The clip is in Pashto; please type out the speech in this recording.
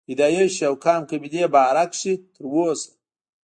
پيدائش او قام قبيلې باره کښې تر اوسه